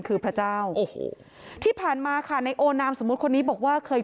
คือพระเจ้าโอ้โหที่ผ่านมาค่ะในโอนามสมมุติคนนี้บอกว่าเคย